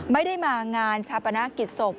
ไม่ได้มางานชาปนากิจศพ